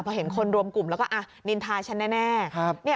พอเห็นคนรวมกลุ่มแล้วก็นินทาฉันแน่